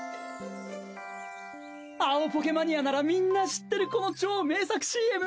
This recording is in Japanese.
青ポケマニアならみんな知ってるこの超名作ＣＭ。